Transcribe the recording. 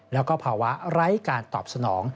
แล้วก็ภาวะไร้การตอบสนอง